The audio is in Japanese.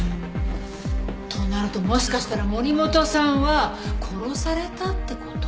となるともしかしたら森本さんは殺されたって事？